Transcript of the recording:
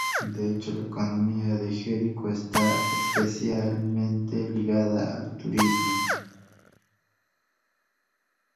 De hecho, la economía de Jericó está especialmente ligada al turismo.